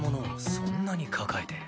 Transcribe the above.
そんなに抱えて。